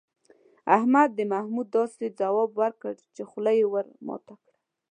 احمد د محمود داسې ځواب وکړ، چې خوله یې ور ماته کړه.